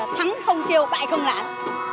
thắng không kêu bại không lãn